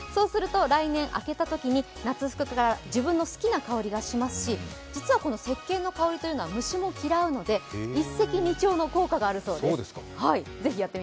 そうすると来年開けたときに夏服から自分の好きな香りがしますし実はこの石けんの香りというのは虫も嫌うので一石二鳥の効果があるそうです。